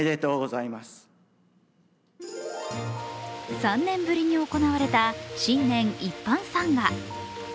３年ぶりに行われた新年一般参賀。